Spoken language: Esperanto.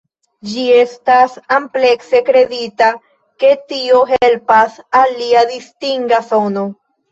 Ĝi estas amplekse kredita ke tio helpas al lia distinga sono.